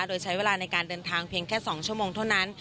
โดยใช้เวลาในการเดินทางเพียงแค่๒ชั่วโมงเท่านั้น